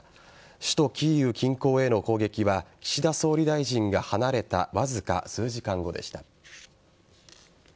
首都・キーウ近郊への攻撃は岸田総理大臣が離れたわずか数時間後でした。